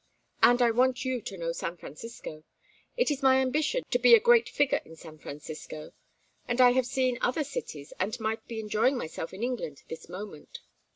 And I want you to know San Francisco. It is my ambition to be a great figure in San Francisco and I have seen other cities, and might be enjoying myself in England this moment."